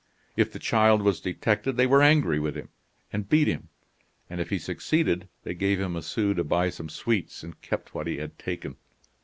If the child was detected they were angry with him and beat him; and if he succeeded they gave him a sou to buy some sweets, and kept what he had taken."